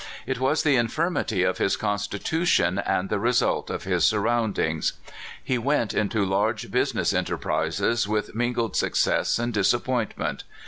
It was the infirmity of his constitution, and the result of his surround ings. He went into large business enterprises with mingled success and disappointment.